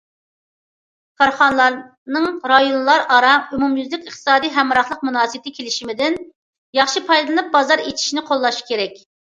كارخانىلارنىڭ رايونلار ئارا ئومۇميۈزلۈك ئىقتىسادىي ھەمراھلىق مۇناسىۋىتى كېلىشىمىدىن ياخشى پايدىلىنىپ بازار ئېچىشىنى قوللاش كېرەك.